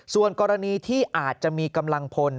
ส่วนกรณีที่อาจจะมีกำลังพล